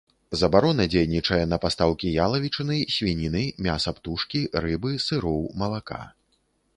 Забарона дзейнічае на пастаўкі ялавічыны, свініны, мяса птушкі, рыбы, сыроў, малака.